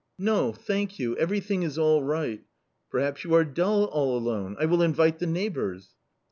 " No, thank you, everything is all right." " Perhapsyou are dull all alone; I willinvite the neighbours."